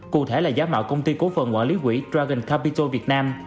cụ thể là giả mạo công ty cố phần quản lý quỹ dragon capito việt nam